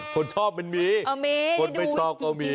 คนชอบมันมีคนไม่ชอบก็มี